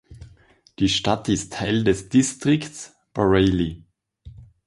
Die Stadt ist Teil des Distrikts Bareilly.